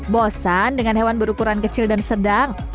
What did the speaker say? bosan dengan hewan berukuran kecil dan sedang